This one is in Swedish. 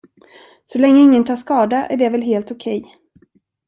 Så länge ingen tar skada är det väl helt okej?